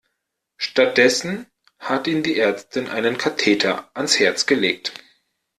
Stattdessen hat ihm die Ärztin einen Katheter ans Herz gelegt.